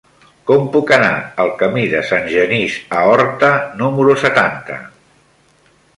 Com puc anar al camí de Sant Genís a Horta número setanta?